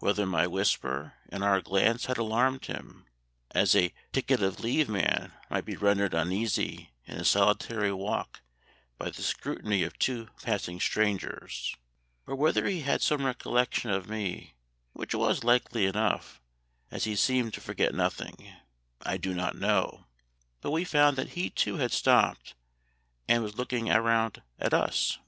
Whether my whisper and our glance had alarmed him, as a ticket of leave man might be rendered uneasy in his solitary walk by the scrutiny of two passing strangers, or whether he had some recollection of me (which was likely enough, as he seemed to forget nothing), I do not know, but we found that he, too, had stopped, and was looking round at us.